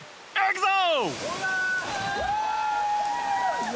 いくぞ！